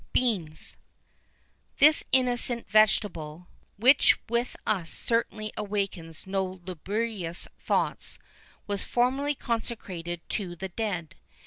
BEANS. This innocent vegetable, which with us certainly awakens no lugubrious thoughts, was formerly consecrated to the dead.